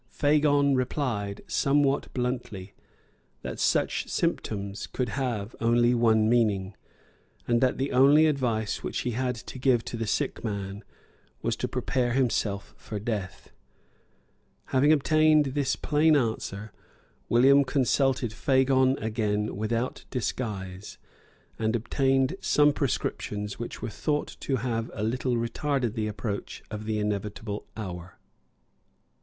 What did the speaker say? Fagon replied, somewhat bluntly, that such symptoms could have only one meaning, and that the only advice which he had to give to the sick man was to prepare himself for death. Having obtained this plain answer, William consulted Fagon again without disguise, and obtained some prescriptions which were thought to have a little retarded the approach of the inevitable hour.